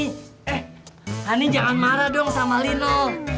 eh hani jangan marah dong sama linol